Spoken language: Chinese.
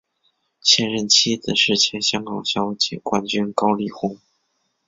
现任妻子是前香港小姐冠军高丽虹。